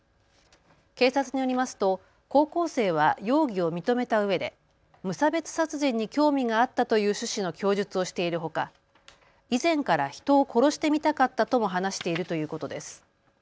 警察によりますと高校生は容疑を認めたうえで無差別殺人に興味があったという趣旨の供述をしているほか、以前から人を殺してみたかったとも話しているということです。